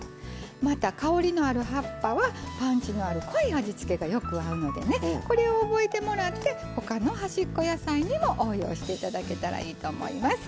また香りのある葉っぱはパンチのある濃い味付けがよく合うのでねこれを覚えてもらって他の端っこ野菜にも応用して頂けたらいいと思います。